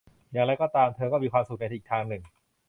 อย่างไรก็ตามเธอก็มีความสุขในอีกทางหนึ่ง